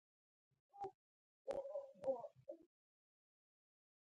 هوا د افغانستان په ستراتیژیک اهمیت کې رول لري.